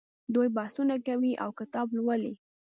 دوی بحثونه کوي او کتاب لوالي.